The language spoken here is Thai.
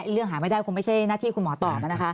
เรื่องหาไม่ได้คงไม่ใช่หน้าที่คุณหมอตอบนะคะ